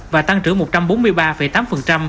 và tăng trưởng một trăm bốn mươi ba tám